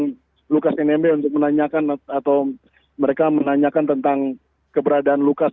dengan lukas nmb untuk menanyakan atau mereka menanyakan tentang keberadaan lukas